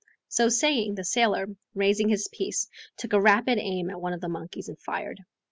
So saying, the sailor, raising his piece, took a rapid aim at one of the monkeys and fired.